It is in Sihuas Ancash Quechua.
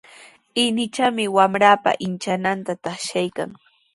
Inichami wamranpa inchananta taqshaykan.